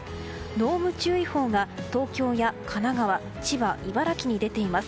濃霧注意報が東京や神奈川千葉、茨城に出ています。